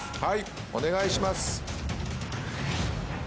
お願いします。